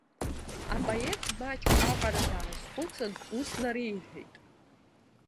Апоет маҷк аҟара даазхәыцын, ус нареиҳәеит.